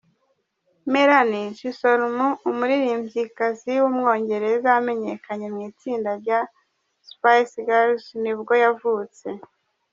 Melanie Chisholm, umuirimbyikazi w’umwongereza wamenyekanye mu itsinda rya Spice Girls nibwo yavutse.